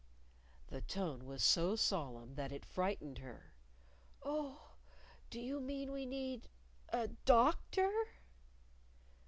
The tone was so solemn that it frightened her. "Oh, do you mean we need a _Doctor?